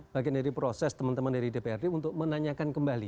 bagian dari proses teman teman dari dprd untuk menanyakan kembali